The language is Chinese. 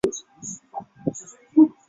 它们会用回声定位以分辨方向。